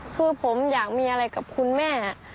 คือผมอยากมีอะไรกับคุณแม่